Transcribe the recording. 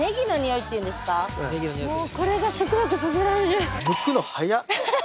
もうこれが食欲そそられる。